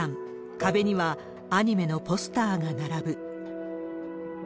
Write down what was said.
壁には、アニメのポスターが並ぶ。